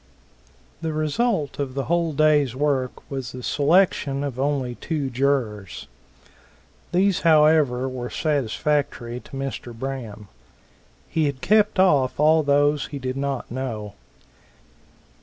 The result of the whole day's work was the selection of only two jurors. These however were satisfactory to Mr. Braham. He had kept off all those he did not know.